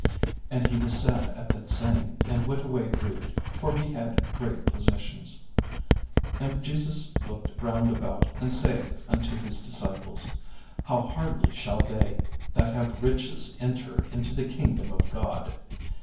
And he was sad at that saying, and went away grieved: for he had great possessions. And Jesus looked round about, and saith unto his disciples: "How hardly shall they that have riches enter into the kingdom of God!"